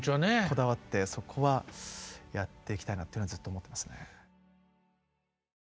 こだわってそこはやっていきたいなというのはずっと思ってますね。